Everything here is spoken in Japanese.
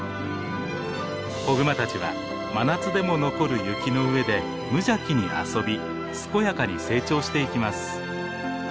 子グマたちは真夏でも残る雪の上で無邪気に遊び健やかに成長していきます。